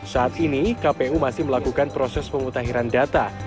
saat ini kpu masih melakukan proses pemutahiran data